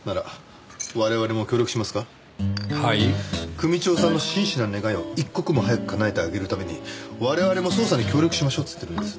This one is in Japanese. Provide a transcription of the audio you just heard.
組長さんの真摯な願いを一刻も早く叶えてあげるために我々も捜査に協力しましょうって言ってるんです。